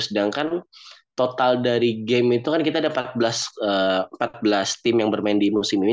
sedangkan total dari game itu kan kita ada empat belas tim yang bermain di musim ini